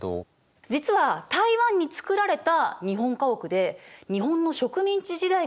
実は台湾に造られた日本家屋で日本の植民地時代からあるものなの。